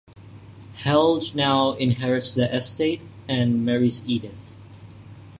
Helge now inherits the estate and marries Edith.